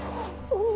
うん。